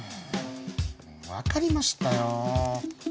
わかりましたよ。